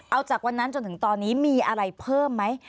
เอาจากวันนั้นจนถึงตอนนี้มีอะไรเพิ่มไหม